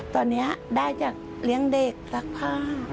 ตอนนี้ได้จากเลี้ยงเด็กซักผ้า